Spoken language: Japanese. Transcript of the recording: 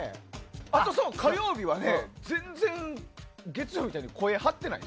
あと、火曜日は全然、月曜日みたいに声、張ってない。